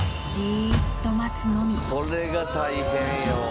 これが大変よ。